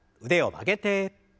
腕を曲げて。